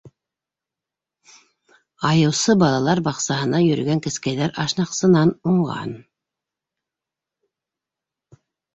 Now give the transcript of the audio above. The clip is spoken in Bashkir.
Айыусы балалар баҡсаһына йөрөгән кескәйҙәр ашнаҡсынан уңған.